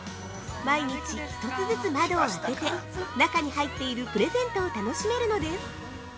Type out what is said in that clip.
毎日１つずつ窓を開けて中に入っているプレゼントを楽しめるのです。